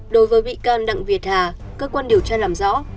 đối với bị can đặng việt hà cơ quan điều tra làm rõ